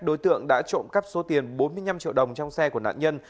đối tượng đã trộm cắp số tiền bốn mươi năm triệu đồng trong xe của nạn nhân